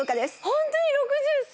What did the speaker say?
ホントに６０歳？